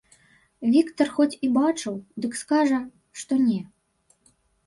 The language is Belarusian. Віктар хоць і бачыў, дык скажа, што не.